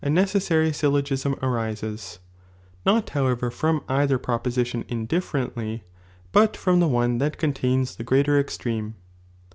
necessary syllogism arises,' aM however from either proposition indifferently, bat from the one that contains the greater ex treme.